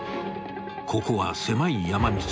［ここは狭い山道］